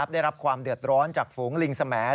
ได้รับความเดือดร้อนจากฝูงลิงสม